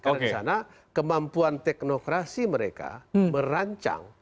karena di sana kemampuan teknokrasi mereka merancang